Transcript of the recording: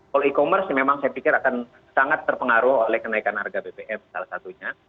kalau e commerce memang saya pikir akan sangat terpengaruh oleh kenaikan harga bbm salah satunya